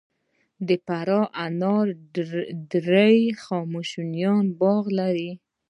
د فراه انار درې د هخامنشي باغ دی